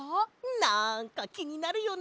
なんかきになるよね